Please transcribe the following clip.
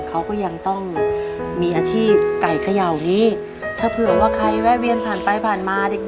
เขาก็ยังต้องมีอาชีพไก่ไข่เหงาเฮกถ้าเผื่อว่าใช้แว่เวียนผ่าน